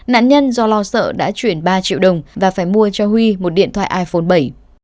nạn nhân do lo sợ đã chuyển ba triệu đồng và phải mua cho huy một điện thoại iphone bảy